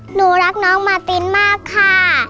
หนูรักน้องมาตินมากค่ะ